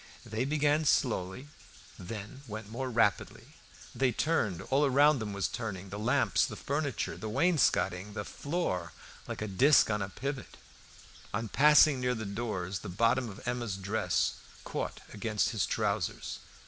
They began slowly, then went more rapidly. They turned; all around them was turning the lamps, the furniture, the wainscoting, the floor, like a disc on a pivot. On passing near the doors the bottom of Emma's dress caught against his trousers.